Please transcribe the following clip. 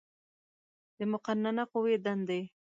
د مقننه قوې دندې